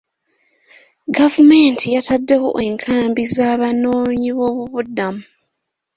Gavumenti yataddewo enkambi z'abanoonyiboobubudamu.